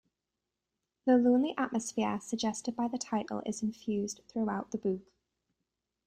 The lonely atmosphere suggested by the title is infused throughout the book.